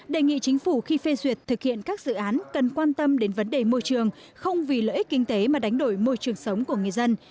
đề nghị chính phủ khi phê duyệt thực hiện các dự án cần quan tâm đến vấn đề môi trường không vì lợi ích kinh tế mà đánh đổi môi trường sống của người dân